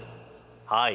はい。